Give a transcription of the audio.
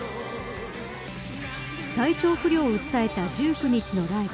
体調不良を訴えた１９日のライブ